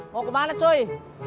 mau kemana cuy